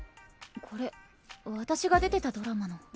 これ私が出てたドラマの。